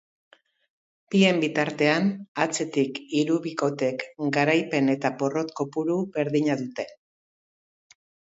Bien bitartean, atzetik hiru bikotek garaipen eta porrot kopuru berdina dute.